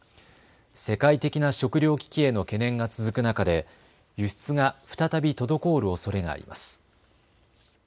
世界的な食料危機への懸念が続く中で輸出が再び滞るおそれがあります。